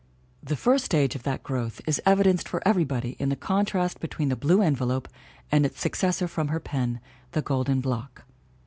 The first stage of that growth is evidenced for everybody in the contrast between The Blue Enve lope and its successor from her pen, The Golden Block.